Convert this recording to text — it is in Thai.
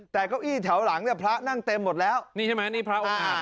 แต่เก้าอี้แถวหลังเนี่ยพระนั่งเต็มหมดแล้วนี่ใช่ไหมนี่พระองค์อาจ